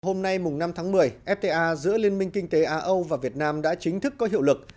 hôm nay năm tháng một mươi fta giữa liên minh kinh tế á âu và việt nam đã chính thức có hiệu lực